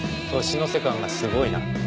年の瀬感がすごいな。